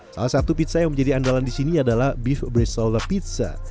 salah satu pizza yang menjadi andalan di sini adalah beef break soller pizza